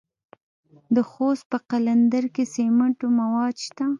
د خوست په قلندر کې د سمنټو مواد شته.